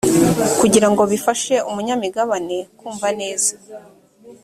kugira ngo bifashe umunyamigabane kumva neza